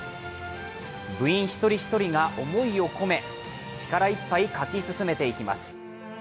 部員一人一人が思いを込め力いっぱい書き進めていきます。